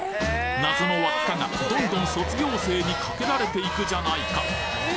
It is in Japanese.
謎の輪っかがどんどん卒業生に掛けられていくじゃないか！？